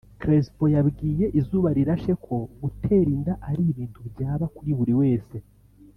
Crespo yabwiye Izuba Rirashe ko gutera inda ari ibintu byaba kuri buri wese